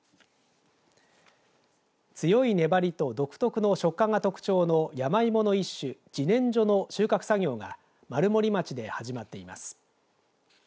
強い粘りと独特の食感が特徴の山芋の一種じねんじょの収穫作業が丸森町で始まっています。